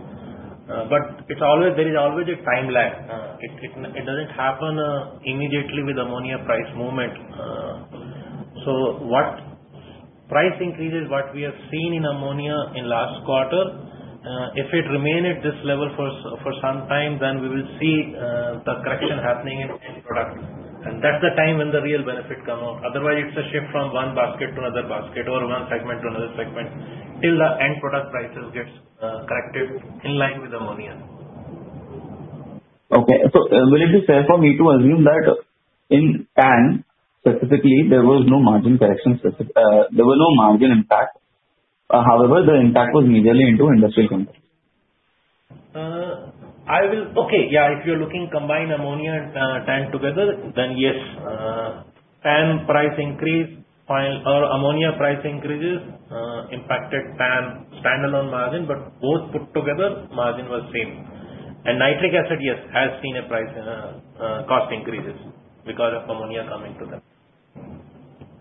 But it's always, there is always a timeline. It doesn't happen immediately with ammonia price movement. So what price increases what we have seen in ammonia in last quarter, if it remain at this level for some time, then we will see the correction happening in end products. And that's the time when the real benefit come out. Otherwise, it's a shift from one basket to another basket, or one segment to another segment, till the end product prices gets corrected in line with ammonia. Okay. So, will it be fair for me to assume that in TAN, specifically, there was no margin correction, there was no margin impact, however, the impact was majorly into industrial companies? Okay, yeah, if you're looking combined ammonia and TAN together, then yes. TAN price increase, either or ammonia price increases impacted TAN standalone margin, but both put together, margin was same. And nitric acid, yes, has seen a price and cost increases because of ammonia coming to them.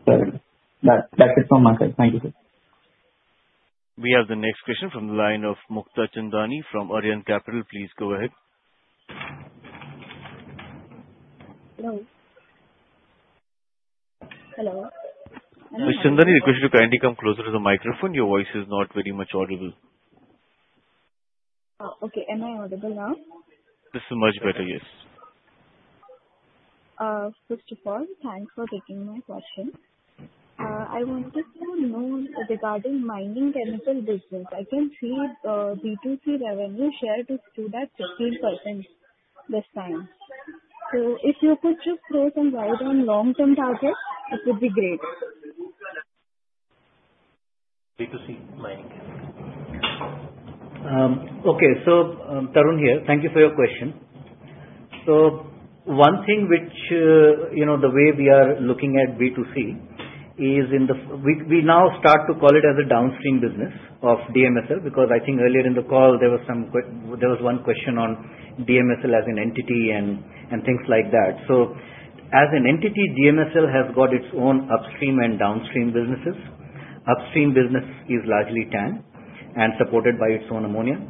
Mm. Got it. That is from my side. Thank you, sir. We have the next question from the line of Mukta Chandani from Arihant Capital. Please go ahead. Hello? Hello. Miss Chandani, could you kindly come closer to the microphone? Your voice is not very much audible. Okay. Am I audible now? This is much better, yes. First of all, thanks for taking my question. I wanted to know regarding mining chemical business. I can see, B2C revenue share to stood at 15% this time. So if you could just throw some light on long-term target, it would be great. B2C mining. Okay. So, Tarun here. Thank you for your question. So one thing which, you know, the way we are looking at B2C is we now start to call it as a downstream business of DMSL. Because I think earlier in the call, there was one question on DMSL as an entity and things like that. So as an entity, DMSL has got its own upstream and downstream businesses. Upstream business is largely TAN and supported by its own ammonia,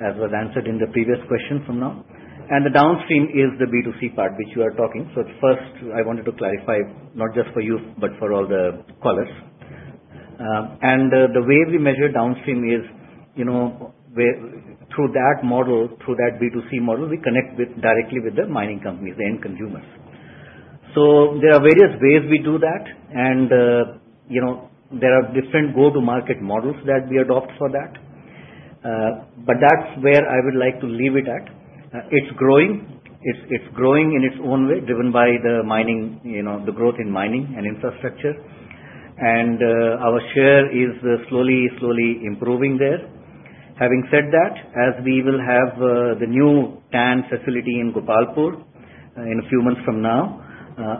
as was answered in the previous question from now. And the downstream is the B2C part, which you are talking. So first, I wanted to clarify, not just for you, but for all the callers. And, the way we measure downstream is, you know, where through that model, through that B2C model, we connect with, directly with the mining companies, the end consumers. So there are various ways we do that, and, you know, there are different go-to-market models that we adopt for that. But that's where I would like to leave it at. It's growing. It's, it's growing in its own way, driven by the mining, you know, the growth in mining and infrastructure. And, our share is, slowly, slowly improving there. Having said that, as we will have, the new TAN facility in Gopalpur, in a few months from now,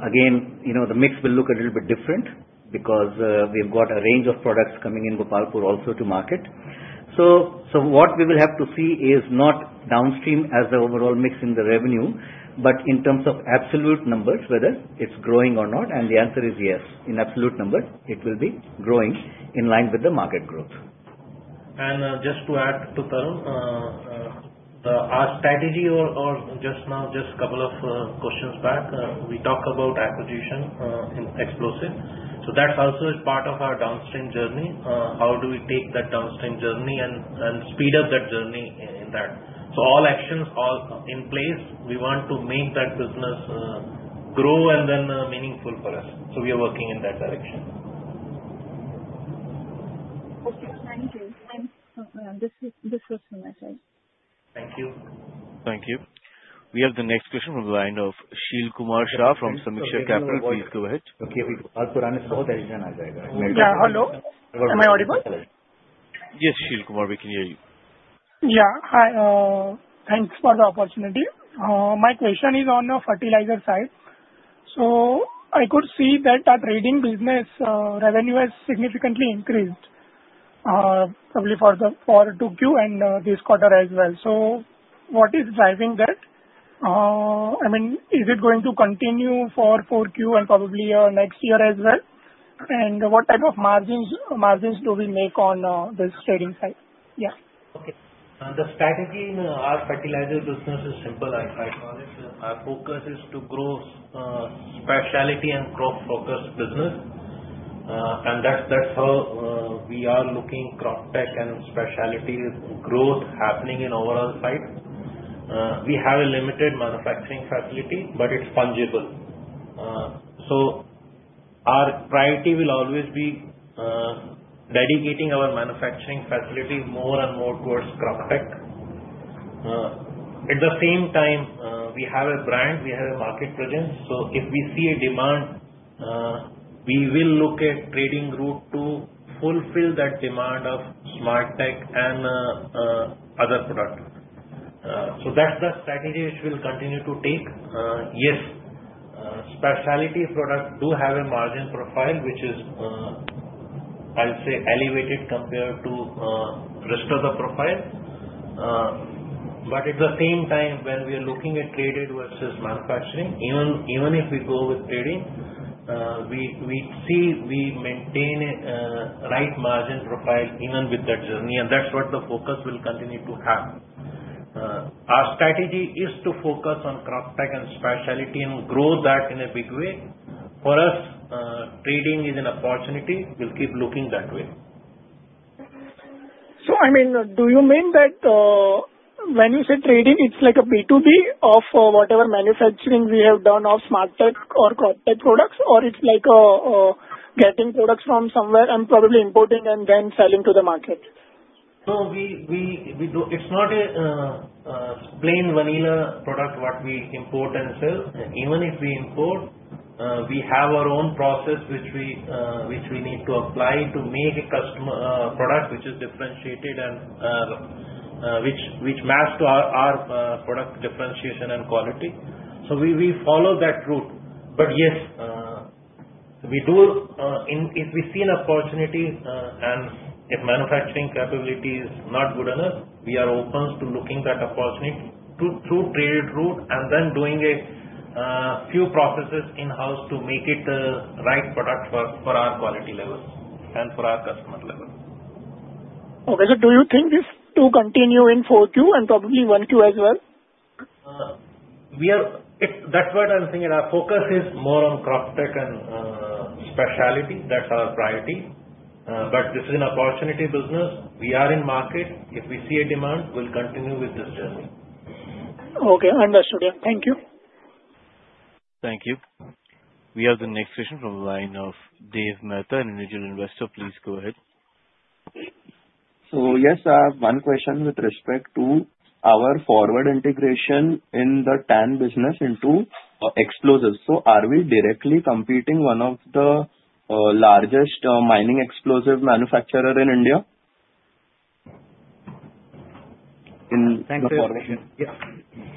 again, you know, the mix will look a little bit different because, we've got a range of products coming in Gopalpur also to market. What we will have to see is not downstream as the overall mix in the revenue, but in terms of absolute numbers, whether it's growing or not. The answer is yes. In absolute numbers, it will be growing in line with the market growth. And, just to add to Tarun, our strategy or, or just now, just couple of questions back, we talked about acquisition in explosives. So that also is part of our downstream journey. How do we take that downstream journey and speed up that journey in that? So all actions are in place. We want to make that business grow and then meaningful for us. So we are working in that direction. Okay, thank you. This is from my side. Thank you. Thank you. We have the next question from the line of Sheel Kumar Shah from Sameeksha Capital. Please go ahead. Yeah. Hello, am I audible? Yes, Sheel Kumar, we can hear you. Yeah. Hi, thanks for the opportunity. My question is on the fertilizer side. So I could see that our trading business revenue has significantly increased, probably for 2Q and this quarter as well. So what is driving that? I mean, is it going to continue for 4Q and probably next year as well? And what type of margins do we make on this trading side? Yeah. Okay. The strategy in our fertilizer business is simple, I call it. Our focus is to grow specialty and crop focus business. And that's how we are looking Croptek and specialty growth happening in overall size. We have a limited manufacturing facility, but it's fungible. So our priority will always be dedicating our manufacturing facility more and more towards Croptek. At the same time, we have a brand, we have a market presence, so if we see a demand, we will look at trading route to fulfill that demand of Smartek and other products. So that's the strategy which we'll continue to take. Yes, specialty products do have a margin profile, which is, I'll say, elevated compared to rest of the profile. But at the same time, when we are looking at traded versus manufacturing, even if we go with trading, we see we maintain a right margin profile even with that journey, and that's what the focus will continue to have. Our strategy is to focus on crop tech and specialty, and grow that in a big way. For us, trading is an opportunity. We'll keep looking that way. So, I mean, do you mean that, when you say trading, it's like a B2B of, whatever manufacturing we have done of Smartek or Croptek products? Or it's like, getting products from somewhere and probably importing and then selling to the market? No, we do. It's not a plain vanilla product, what we import and sell. Even if we import, we have our own process, which we need to apply to make a customer product which is differentiated and which match to our product differentiation and quality. So we follow that route. But yes, we do if we see an opportunity, and if manufacturing capability is not good enough, we are open to looking that opportunity through traded route, and then doing a few processes in-house to make it a right product for our quality levels and for our customer level. Okay. So do you think this to continue in 4Q and probably 1Q as well? That's what I'm saying, and our focus is more on crop tech and specialty. That's our priority. But this is an opportunity business. We are in market. If we see a demand, we'll continue with this journey. Okay, understood. Yeah. Thank you. Thank you. We have the next question from the line of Dave Mehta, an individual investor. Please go ahead. So yes, I have one question with respect to our forward integration in the TAN business into explosives. So are we directly competing one of the largest mining explosive manufacturer in India? Thank you. Yeah.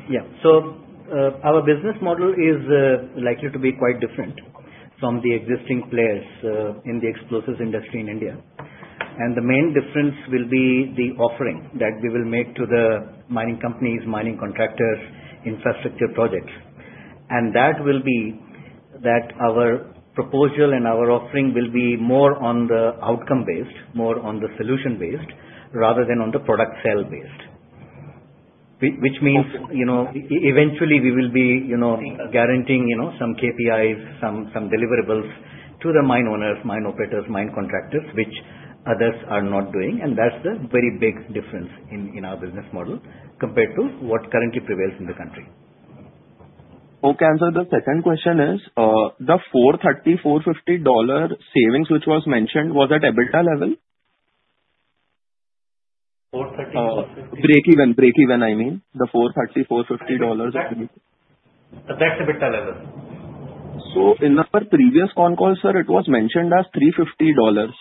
Yeah. So, our business model is likely to be quite different from the existing players in the explosives industry in India. And the main difference will be the offering that we will make to the mining companies, mining contractors, infrastructure projects. And that will be, that our proposal and our offering will be more on the outcome-based, more on the solution-based, rather than on the product sale-based. Which means, you know, eventually we will be, you know, guaranteeing, you know, some KPIs, some deliverables to the mine owners, mine operators, mine contractors, which others are not doing, and that's the very big difference in our business model compared to what currently prevails in the country. Okay. And so the second question is, the $430-$450 dollar savings, which was mentioned, was at EBITDA level? 4:30, 4:50. Breakeven, breakeven, I mean, the $430-$450. That's EBITDA level. In our previous con call, sir, it was mentioned as $350.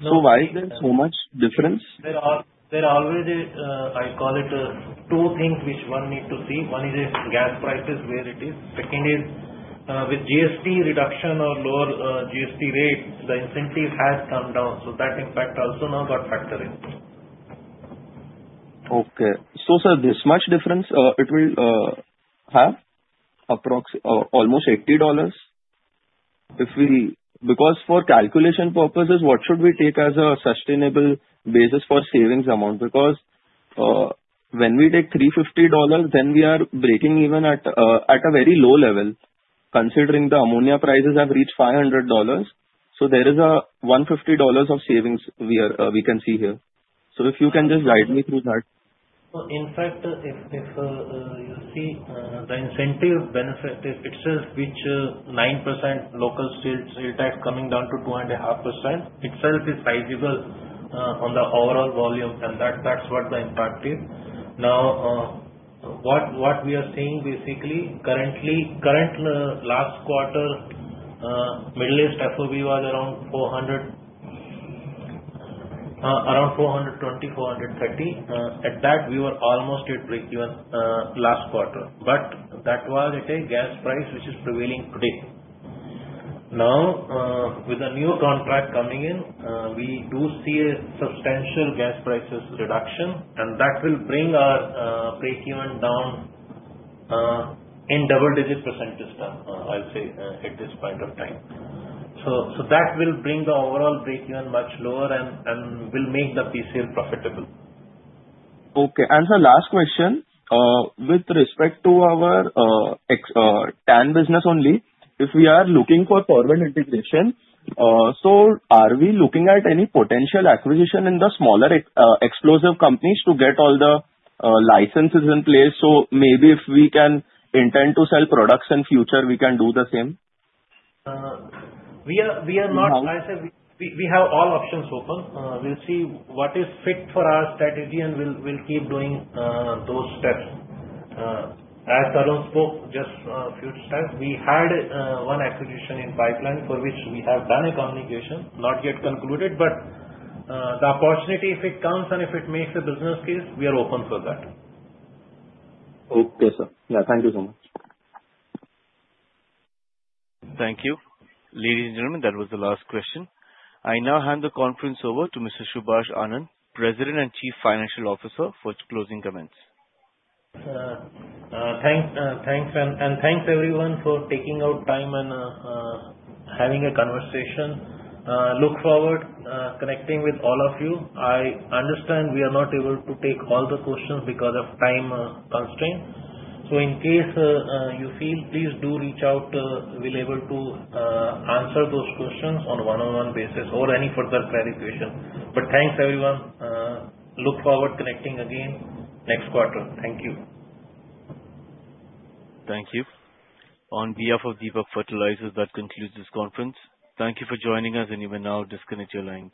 No- Why is there so much difference? There are already I call it two things which one need to see. One is the gas prices, where it is. Second is, with GST reduction or lower GST rates, the incentive has come down, so that impact also now got factored in. Okay. So sir, this much difference, it will have approximately almost $80? If we... Because for calculation purposes, what should we take as a sustainable basis for savings amount? Because when we take $350, then we are breaking even at a very low level, considering the ammonia prices have reached $500. So there is a $150 of savings we are, we can see here. So if you can just guide me through that. Well, in fact, if you see the incentive benefit, if it's which 9% local sales tax coming down to 2.5%, itself is sizable on the overall volume, and that's what the impact is. Now, what we are seeing basically, currently, last quarter, Middle East FOB was around $400, around $420-$430. At that, we were almost at breakeven last quarter. But that was at a gas price which is prevailing today. Now, with the new contract coming in, we do see a substantial gas prices reduction, and that will bring our breakeven down in double-digit percentages, I'll say, at this point of time. So that will bring the overall breakeven much lower and will make the PCL profitable. Okay. And the last question, with respect to our explosives TAN business only, if we are looking for forward integration, so are we looking at any potential acquisition in the smaller explosive companies to get all the licenses in place? So maybe if we can intend to sell products in future, we can do the same. We are not licensed. We have all options open. We'll see what is fit for our strategy, and we'll keep doing those steps. As Tarun spoke just a few steps, we had one acquisition in pipeline for which we have done a communication, not yet concluded. But the opportunity, if it comes and if it makes a business case, we are open for that. Okay, sir. Yeah, thank you so much. Thank you. Ladies and gentlemen, that was the last question. I now hand the conference over to Mr. Subhash Anand, President and Chief Financial Officer, for closing comments. Thanks, and thanks, everyone, for taking out time and having a conversation. Look forward connecting with all of you. I understand we are not able to take all the questions because of time constraint. So in case you feel, please do reach out. We'll able to answer those questions on a one-on-one basis or any further clarification. But thanks, everyone. Look forward to connecting again next quarter. Thank you. Thank you. On behalf of Deepak Fertilizers, that concludes this conference. Thank you for joining us, and you may now disconnect your lines.